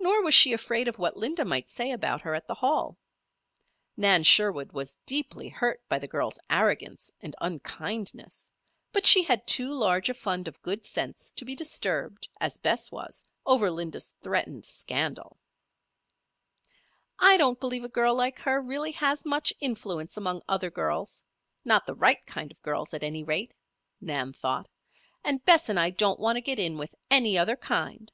Nor was she afraid of what Linda might say about her at the Hall. Nan Sherwood was deeply hurt by the girl's arrogance and unkindness; but she had too large a fund of good sense to be disturbed, as Bess was, over Linda's threatened scandal. "I don't believe a girl like her really has much influence among other girls not the right kind of girls, at any rate," Nan thought. "And Bess and I don't want to get in with any other kind."